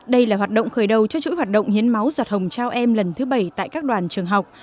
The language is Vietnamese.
đây là hoạt động khởi đầu cho chuỗi hoạt động hiến máu giọt hồng trao em lần thứ bảy tại các đoàn trường học